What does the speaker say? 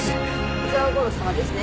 伊沢吾良様ですね。